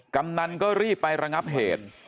กำนันก็รีบไประงับเหตุ